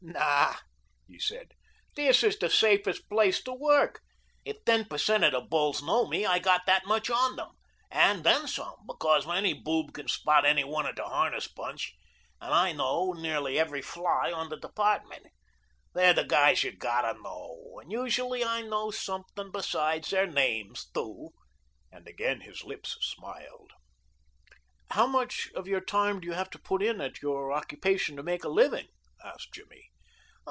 "Naw," he said; "this is the safest place to work. If ten per cent of the bulls know me I got that much on them, and then some, because any boob can spot any one o' de harness bunch, and I know nearly every fly on the department. They're the guys yuh gotta know, and usually I know something besides their names, too," and again his lips smiled. "How much of your time do you have to put in at your occupation to make a living?" asked Jimmy.